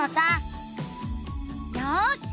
よし！